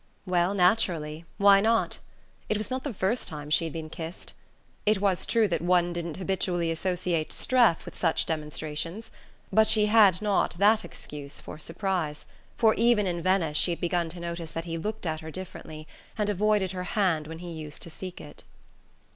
Well, naturally: why not? It was not the first time she had been kissed. It was true that one didn't habitually associate Streff with such demonstrations; but she had not that excuse for surprise, for even in Venice she had begun to notice that he looked at her differently, and avoided her hand when he used to seek it.